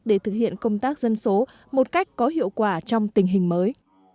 để thực hiện công tác dân số một cách có hiệu quả trong tình hình mới